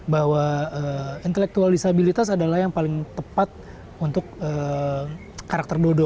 bahwa intelektual disabilitas adalah yang paling tepat untuk karakter dodo